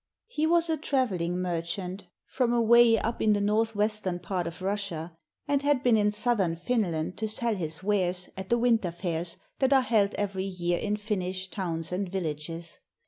He was a travelling merchant from away up in the north western part of Russia, and had been in southern Finland to sell his wares, at the winter fairs that are held every year in the Finnish towns and villages.